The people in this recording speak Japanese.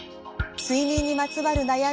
睡眠にまつわる悩み